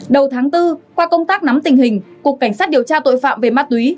đầu tháng bốn qua công tác nắm tình hình cục cảnh sát điều tra tội phạm về ma túy